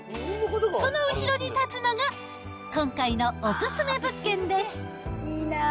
その後ろに建つのが、今回のお勧め物件です。